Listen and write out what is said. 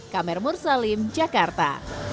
kamer mursalim jakarta